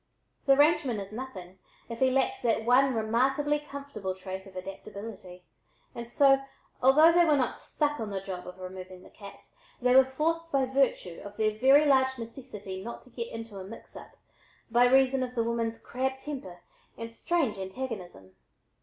The rangeman is nothing if he lacks that one remarkably comfortable trait of adaptability, and so, although they were not "stuck on the job" of removing the cat, they were forced by virtue of their very large necessity not to get into a "mix up," by reason of the woman's crabbed temper and strange antagonism.